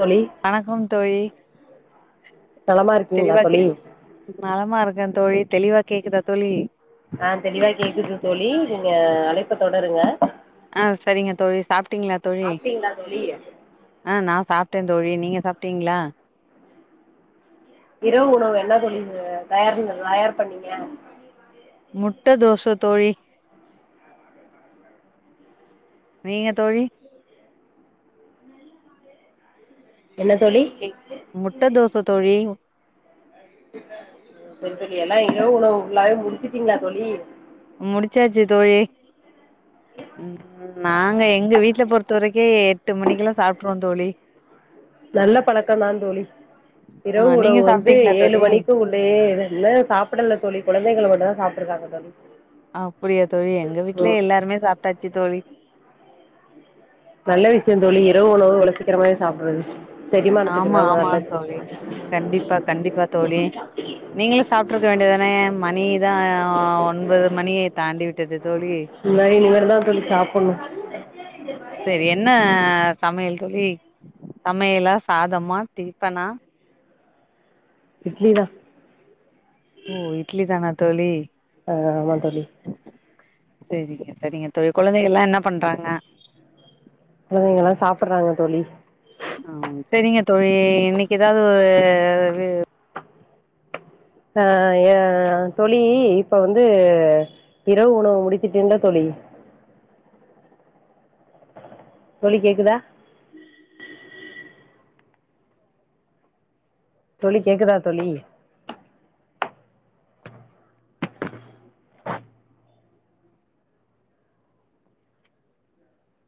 தோழி வணக்கம் தோழி நலமா இருக்கீங்களா தெளிவா கெ தோழி நலமா இருக்கே தோழி தெளிவா கேக்குதா தோழி ஆ தெளிவா கேக்குது தோழி நீங்க அழைப்ப தொ டருங்க ஆ சரிங்க தோழி சாப்ட்டீங்ளா தோழி சாப்ட்டீங்களா தோழி ஆ நா சாப்டே தோழி நீங்க சாப்டீங்ளா? இரவு உணவு என்ன தோழி நீங்க தயார் தயார் பண்ணீங்க? முட்ட தோச தோழி நீங்க தோழி என்ன தோழி ஏய் முட்ட தோச தோழி ஓ என்ன சரி தோழி எல்லா இரவு உணவு ஃபுல்லாவே முடிச்சிட்டீங்களா தோழி. முடிச்சாச்சி தோழி ம் ம். நாங்க எங்க வீட்ல பொறுத்த வரைக்கே எட்டு மணிக்கெல்லா சாப்ட்ருவ தோழி. நல்ல பழக்க தா தோழி ஆ இரவு நீங்க உணவு வந்து சாப்ட்டீங்களா ஏழு தோழி மணிக்கு உள்ளயே என்ன சாப்பிடல தோழி குழந்தைகளோட சாப். [inaudible] அப்டியா தோழி எங்க வீட்ல எல்லாருமே சாப்ட்டாச்சி தோழி. நல்ல விஷயம் தோழி இரவு உணவு இவ்ள சீக்கிரமாவே சாப்றது. ஆமா ஆமா தோழி கண்டிப்பா கண்டிப்பா தோழி நீங்களும் சாப்ட்ருக்க வேண்டியதானே மணிதா ஒன்பது மணி தாண்டி விட்டது. தோழி இல்ல இனிமேட்டு தா தோழி சாப்புன்னும்.. செரி என்ன ஆ சமையல் தோழி சமையலா சாதம்மா டிஃப்பனா இட்லி தா ஓ இட்லி தானா தோழி. அ ஆமா தோழி செரிங்க செரிங்க தோழி குழந்தைகள்ளா என்ன பண்றாங்க. குழந்தைங்கள்ளா சாப்றாங்க தோழி. அ செரிங்க தோழி இன்னைக்கு ஏதாவது ஓரு அஹ ஏ தோழி இப்ப வந்து இரவு உணவு முடிச்சிட்டிங்ளா தோழி. தோழி கேக்கதா தோழி கேக்கதா தோழி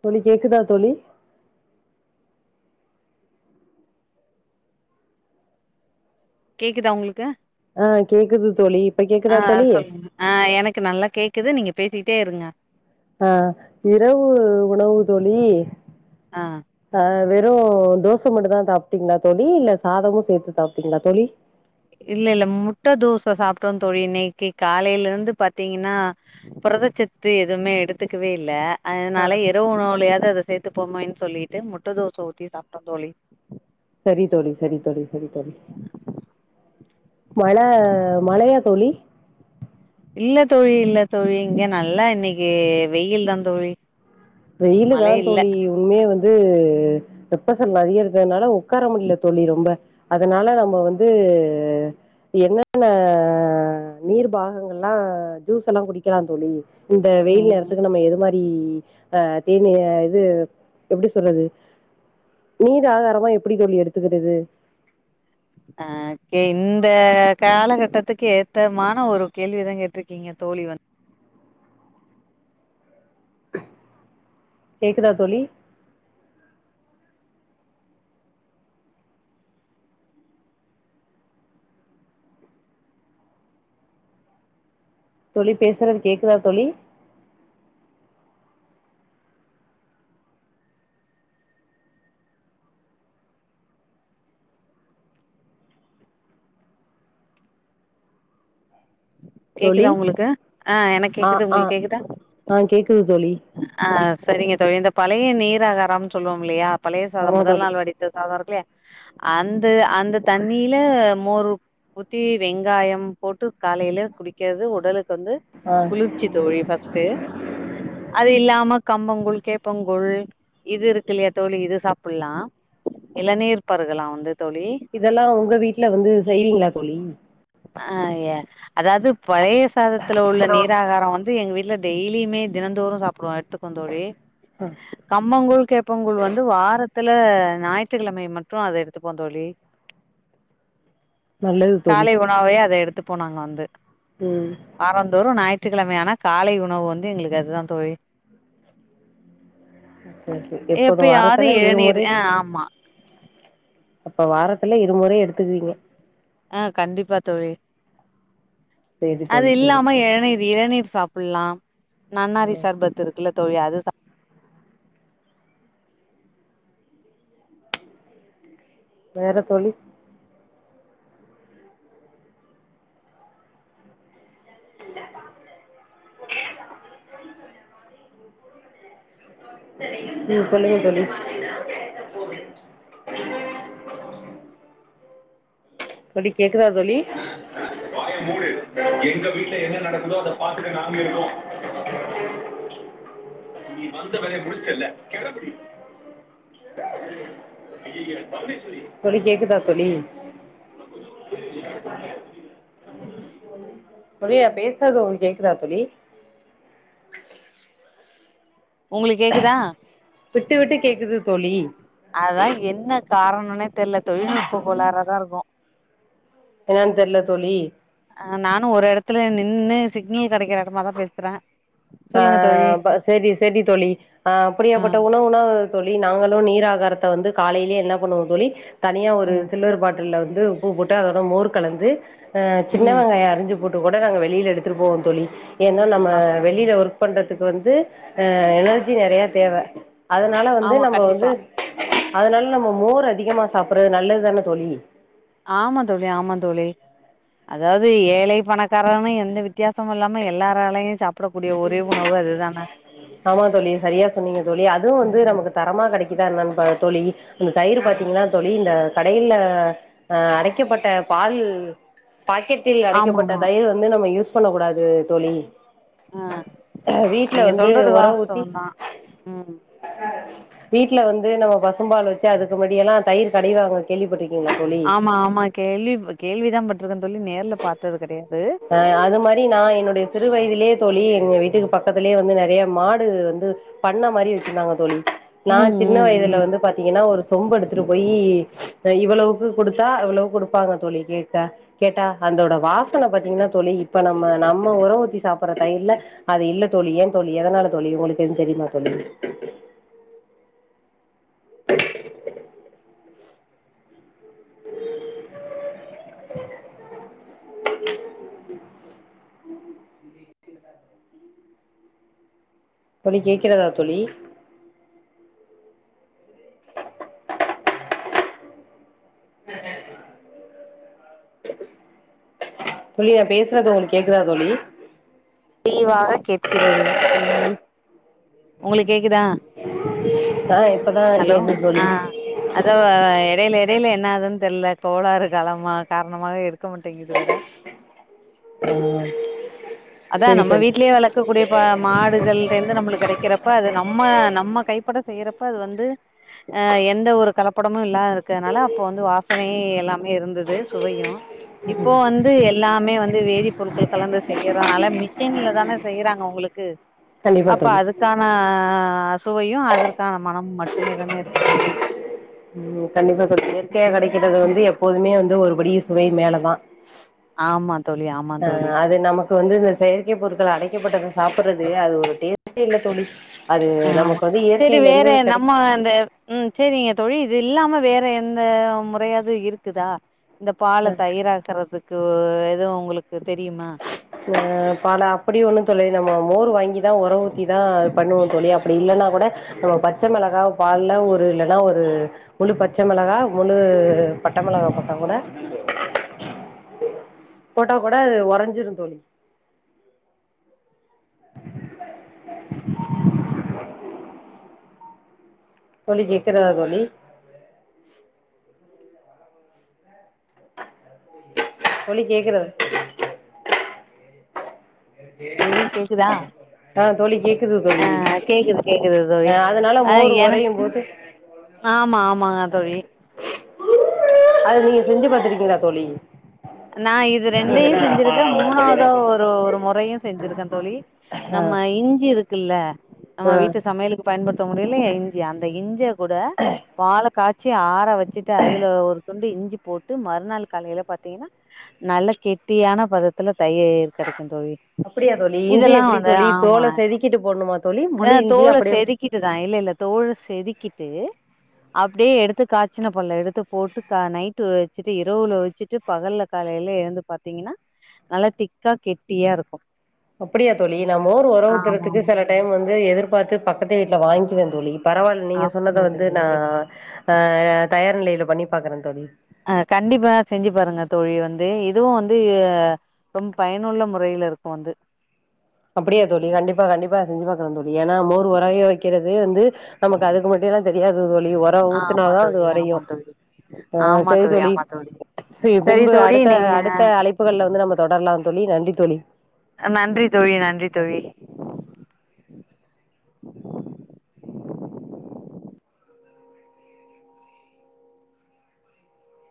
தோழி கேக்குதா தோழி கேக்குதா உங்ளுக்கு ஆ கேக்குது தோழி இப்ப கேக்குதா ஆஹ தோழி சொல் ஆஹ எனக்கு நல்லா கேக்குது நீங்க ப் பேசிட்டே இருங்க ஆ இரவு உணவு தோழி ஆ அஹ வெப் வெறும் தோச மட்டும் தா சாப்ட்டீங்ளா தோழி இல்ல சாதமும் சேத்து சாப்ட்டீங்ளா தோழி. இல்லல்ல முட்ட தோச சாப்டோம் தோழி இன்னைக்கு காலையல இருந்து பாத்தீங்கன்னா புரதச்சத்து எதுமே எடுத்துக்கவே இல்ல ஆ அதனால இரவு உணவலையாது அத ச சேத்து போமேன் சொல்லிட்டு முட்ட தோச ஊத்தி சாப்ட்டோம் தோழி. சரி தோழி சரி தோழி சரி தோழி மழ மழயா தோழி. இல்ல தோழி இல்ல தோழி இங்க நல்லா இன்னிக்கு வெயில் தா தோழி. வெயிலு தா மழை இல்ல தோழி உண்மையே வந்து. உப்பசல் நெறைய இருக்கறனால உக்கார முடில தோழி ரொம்ப அதனால நம்ப வந்து என்னென்ன நீர் பாகங்கள்லா ஜூஸ்லா குடிக்கலா தோழி. இந்த வெயில் ம் நேரத்துக்கு நம்ப எது மாரி. [inaudible] அ தேனி இது எப்டி சொல்றது நீர் ஆகாரமா எப்டி தோழி எடுத்துக்குறது அ கே இந்த காலகட்டத்துக்கு ஏத்தமான ஒரு கேள்வி தா கேட்டிருக்கீங்க தோழி வந்து கேக்குதா தோழி தோழி பேசுறது கேக்குதா தோழி தோழி கேக்குதா உங்களுக்கு ஆ எனக்கு ஆ கேக்குது ஆ உங்களுக்கு கேக்குதா ஆ கேக்குது தோழி ஆ சரிங்க தோழி இந்த பழைய நீர் ஆகாராம் சொல்லுவோ இல்லையா பழைய சாதம் ஆமா முதல் தோழி நாள் வடித்த சாதம் இருக்குல்லையா அந்த அந்த தண்ணியில மோரு ஊத்தி வெங்காயம் போட்டு காலையில குடிக்கது உடலுக் கு வந்து ஆ குளிர்ச்சி தோழி ஃபஸ்டு அது இல்லா கம்பங்கூழ் கேப்பங்கழ் இது இருக்கு இல்லயா தோழி இது சாப்பிடலாம் இளநீர் பருகலாம் வந்து தோழி இதெல்லா உங்க வீட்ல வந்து செய்றீங்களா தோழி அ ஏ எதாது பழைய சாதத்துல உள்ள நீராகாரம் வந் எங்க வீட்ல டெய்லீமே தின தோறும் சாப்படுவா த்துக்கும் தோழி ஆ கம்பங்கூழ் கேப்பங்கூழ் வந்து வாரத் துல ஞாயிற்றுக்கிழமை மட்டும் அத எடுத்துபோம் தோழி நல்லது தோழி காலை உணவே அத எடுத்துபோ நாங்க வந்து ம் வாரந்தோறும் ஞாயிற்று க்கிழமையானா காலை உணவு வந்து எங்களுக்கு அது தா தோழி ஓகே ஓகே எப்ப எப்போது யாரு வாரத்துல இளநீரு இருமுறை ஆ ஆமா அப்ப வாரத்துல இருமுறை எடுத்துக்குவீங்க ஆ கண்டிப்பா தோழி சேரி அது தோழி சேரி இல்லாம தோழி இளநீர் இளநீர் சாப்பிடலாம் நன்னாரி ம் சர்பத்து இருக்குல தோழி அது தா வேற தோழி சொல்லுங்க தோழி தோழி கேக்குதா தோழி தோழி கேக்குதா தோழி தோழி நா பேசுறது உங்களுக்கு கேக்குதா தோழி உங்களுக்கு கேக்குதா விட்டு விட்டு கேக்குது தோழி அதான் என்ன காரணன்னே தெல்ல தொழில்நுட்பக்கோளறாதா இருக்கு என்னன்னு தெர்ல தோழி அ நானு ஒரு எடத்துல நின்னு சிக்னல் கிடைக்கிற இடமா தா பேசுறே ஆ சொல்லுங்க தோழி சரி செரி தொழி ஆ ஆ அப்டியாபட்ட உணவுனா தோழி நாங்களு நீர் ஆகார வந்து காலையிலேயே என்ன பண்ணுவோ தோழி தனியா ஒரு ம் சில்வர் பாட்டில்ல வந்து உப்பு போட்டு அதோட மோர் கலந்து அ சின்ன ம் வெங்காயோ அரிஞ்சு போட்டு கூட நாங்க வெளியில எடுத்துட்டு போவோ தோழி ஏன்னா நம்ம அப்டியா வெளியில ஒர்க்பன்றது பன்றதுக்கு வந்து அ எனர்ஜி நெறைய தேவ அதனால வந்து ஆமா நம்ம வந்து கண்டிப்பா அதனால நம்ம மோர் அதிகமா சாப்பிடுறது நல்லதுதானே தோழி ஆமா தோழி ஆமா தோழி அதாவது ஏழை பணக்காரன எந்த வித்தியாசம் இல்லாம எல்லாராலையு சப் ஆமா தோழி சரியா சொன்னீங்க தோழி அதுவு ம் வந்து நமக்கு தரமா கடைக்கு இதா என்ன பாருங் தோழி இந்த தயிரு ம் பாத்தீங்கன்னா தோழி இந்த கடையில அ அடைக்கப்பட்ட பால் பாக்கெட்டில் அடைக்கப்பட்ட ஆமாமா தயிர் வந்து நம்ம யூஸ் ஸ் பன்ன கூடாது தோழி அ வீட்ல நீங்க வந்து சொல்றது ஒர ஊத்தி வாஸ்தவோ தா ம் வீட்டு்ல வந்து நம்ம பசும்பால் வச்சு அதுக்கு முன்னடியல்லா தயிர் கடைவாங்க கேள்விப்பட்டி ஆமா ஆமா கேள்வி கேள்விதா பட்டிருக்கன்ன தோழி நேர்ல பார்த்தது கெடையாது அ அது மாரி நா என்னுடைய சிறு வயதிலேயே தோழி எங்க வீட்டுக்கு பக்கத்திலயே வந்து நெறைய மாடு வந்து பண்ண மாரி வச்சிருந்தாங்க தோழி நா ம் சின்ன ம் வயதுல ம் வந்து பாத்தீங்கன்னா ஒரு சொம்பு எடுத்துட்டு போய் இவ்வளோ பூ கொடுத்தா அவவ்வளவு கொடுப்பாங்க தோழி கேட்டா கேட்டா அந்தோட வாசனை பத்தி பாத்தீங்கன்னா தோழி இப்ப நம்ம நம்ம உர ஊத்தி சாப்பிற தயர்ல அது இல்ல தோழி ஏன் தோழி எதனால தோழி உங்களுக்கு எது தெரியுமா தோழி [inaudible] [inaudible] தோழி கேக்கிறதா தோழி உஹம் உம் தோழி நா பேசுறது உங்களுக்கு கேக்குதா தோழி தெளிவாக கேட்கிறது சொல்லுங்கள் உங்களுக்கு கேக்குதா ஆ இப்பதா ஹலோ கேக்குது ஆ தோழி அதா எடையல எடையல என்னாதுன் தெல்ல கோளாறு காலமா காரணமா இருக்கு இருக்க மாட்டேங்கது வேற ஆ அதான் சரி நம்ம தோழி வீட்லயே வளர்க்கக்கூடிய மாடுகளிட்ட இருந்து நம்மளுக்கு கிடைக்கிறப்ப அது நம்ம நம்ம கைப்பட செய் ரப்ப அது வந்து அ எந்த ஒரு கலப்படமும் இல்லா இருக்கனால அப்ப வந்து வாசனையே எல்லாமே இருந்தது சுவையும் இப்போ வந்து எல்லாமே வந்து வேதி பொருட்கள கலந்து செய்யறனால கிச்சன்ல தானே செய்றாங்க உங்களுக்கு கண்டிப்பா அப்ப தோழி அதுக்கான ஆ சுவையும் அதற்கான மனமும் மட்டுமே தானே இருக்கும் தோழி ம் கண்டிப்பா தோழி ஹெல்தியா கிடைக்கிறது வந்து எப்போதுமே வந்து ஒருபடி சுவை மேலதான் ஆமா தோழி ஆமா ஆ தோழி அது நமக்கு வந்து செயற்கை பொருட்கள் அடைக்கப்பட்டது சாப்பிடுறது அது ஒரு டேஸ்டே இல்ல தோழி அது ஆமா நமக்கு வந்து சேரி இயற்கையில வேற இருந்து கிடை நம்ம இந்த ம் சேரிங்க தோழி இது இல்லாம வேற எந்த முறையாது இருக்குதா இந்த பால்ல தயிர் ஆக்குறதுக்கு எது உங்களுக்கு தெரியுமா ஆ பால அப்டி ஒன்னு தோழி நாம்ம மோர் வாங்கி தா ஒர ஊத்தி தா பண்ணுவன் தோழி அப்டி இல்லைன்னா கூட நம்ம பச்சை மிளகா பால்ல ஒரு இல்லைன்னா ஒரு முழு பச்சை மிளகா முழு பட்ட மிளகா போட்டா கூட போட்டா கூட அது உரைஞ்சிரும் தோழி தோழி கேட்கிறதா தோழி தோழி கேக்கிறது ழி கேக்குதா ஆ தோழி கேக்குது அ தோழி கேக்குது கேக்குது அ தோழி அதனால ஆ மோர் ஒரையும் எனக்கு போது ஆமா ஆமாங்க தோழி அத நீங்க செஞ்சு பார்த்திருக்கீங்களா தோழி நா இது ரெண்டையும் செஞ்சிருக்கேன் மூணாவத ஒரு ஒரு முறையும் செஞ்சிருக்கேன் தோழி ஆ நம்ம இஞ்சு இருக்குல்ல நம்ம ஆ வீட்ல சமையலுக்கு பயன்படுத் த்துவேல்ல இஞ்சி அந்த இஞ்ச கூட வழ காய்ச்சி ஆற வச்சிட்டு அதில ஒரு துண்டு இஞ்சி போட்டு மறுநாள் காலையில பாத்தீங்கன்னா நல்ல கெட்டியான பதத்துல தயிர் கிடைக்கும் தோழி அப்படியா தோழி இஞ்சி இதெல்லா எப்படி வந்து தோழி ஆமா தோல செதுக்கிட்டு போடணுமா தோழி ஆ முழு இஞ்சி தோல அப்படியே செதுக்கிட்டுதான் இல்ல இல்ல தோல் செதுக்கிட்டு அப்டியே எடுத்து காய்ச்சின பால எடுத்து போட்டு நைட்டு வச்சுட்டு இரவுல வச்சுட்டு பகல்ல காலையில எழுந்து பாத்தீங்கன்னா நல்லா திக்கா கெட்டியா இருக்கும் அப்படியா தோழி நா மோர் உர ஊத்தறதுக்கு ஆமா சில டைம் வந் எதிர்பார்த்து பக்கத்து வீட்ல வாங்கிக்குவே தோழி பரவால் நீங்க சொன்னத அப்டியா வந்து தோழி நா அ தயார் நிலைல. பண்ணி பாக்கறே தோழி அ கண்டிப்பா செஞ்சு பாருங்க தோழி வந்து இதுவும் வந்து ரொம் பயனுள்ள முறையல இருக்கும் வந்து செஞ்சு பாக்கறே தோழி ஏனா மோர் உரய வைக்கறது வந்து நமக்கு அதுக்கு மட்டும் தா தெரியாது தோழி உர ஆமா ஊத்துனாதா அது தோழி ஆமா உரையம் தோழி ஆ சரி தோழி சரி பின்பு தோழி அடுத்த நீங்க அடுத்த அழைப்புகள்ல வந்து நம்ப தொடரலாம் தோழி நன். [inaudible] தோழி நன்றி தோழி நன்றி தோழி